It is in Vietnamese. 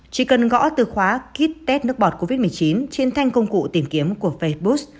chỉ cần gõ từ khóa kites nước bọt covid một mươi chín trên thanh công cụ tìm kiếm của facebook